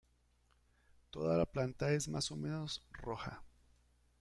Toda la planta es más o menos roja.